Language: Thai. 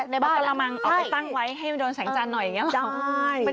ในกะละมังเอาไปตั้งไว้ให้มันโดนสัญลักษณ์หน่อยอย่างนี้แล้ว